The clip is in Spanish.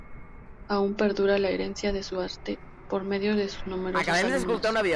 Aún perdura la herencia de su arte por medio de sus numerosos alumnos.